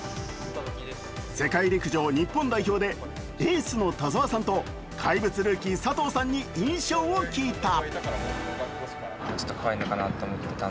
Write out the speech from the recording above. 世界陸上日本代表でエースの田澤さんと怪物ルーキー・佐藤さんに印象を聞いた。